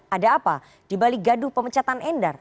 ada apa dibalik gaduh pemecatan endar